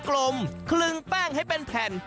กลมคลึงแป้งให้เป็นแผ่น